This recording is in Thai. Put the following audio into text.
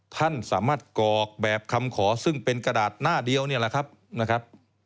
ท่านสามารถกรอกแบบคำขอซึ่งเป็นกระดาษหน้าเดียวนี่แหละครับนะครับ